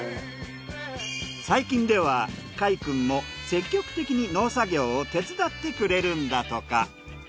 最近では和永くんも積極的に農作業を手伝ってくれるんだとか。